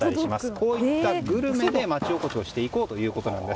こういったグルメで町おこしをしていこうということです。